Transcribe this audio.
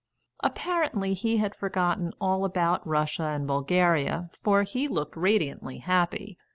Apparently he had forgotten all about Russia and Bulgaria, for he looked radiantly happy.